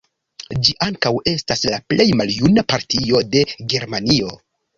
Ĝi ankaŭ estas la plej maljuna partio de Germanio.